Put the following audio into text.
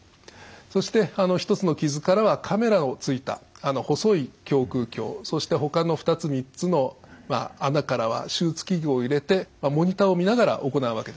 そして１つの傷からはカメラのついた細い胸腔鏡そしてほかの２つ３つの穴からは手術器具を入れてモニターを見ながら行うわけです。